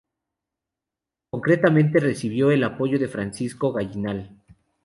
Concretamente recibió el apoyo de Francisco Gallinal.